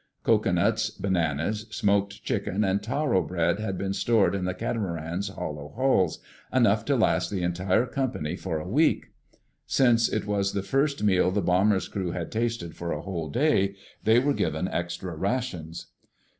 Cocoanuts, bananas, smoked chicken and taro bread had been stored in the catamaran's hollow hulls—enough to last the entire company for a week. Since it was the first meal the bomber's crew had tasted for a whole day, they were given extra rations.